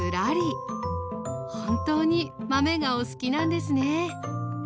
本当に豆がお好きなんですね。